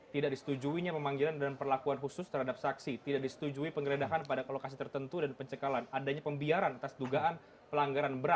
tidak disetujuinya pemanggilan dan perlakuan khusus terhadap saksi tidak disetujui penggeledahan pada lokasi tertentu dan pencekalan adanya pembiaran atas dugaan pelanggaran berat